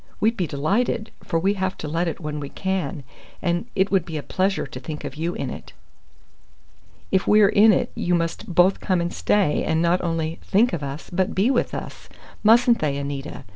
We'd be delighted, for we have to let it when we can, and it would be a pleasure to think of you in it." "If we're in it, you must both come and stay, and not only 'think' of us, but be with us: mustn't they, Anita?"